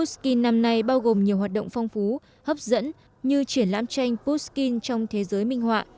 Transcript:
dạo hội pushkin năm nay bao gồm nhiều hoạt động phong phú hấp dẫn như triển lãm tranh pushkin trong thế giới minh họa